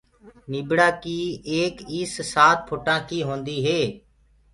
نيٚڀڙآ ڪيٚ ايڪ ايس سآت ڦُٽآنٚ ڪيٚ هونٚديٚ هي